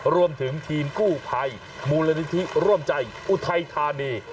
รวมถึงทีมกู้ภัยมูลนิธิร่วมใจอุทัยธานี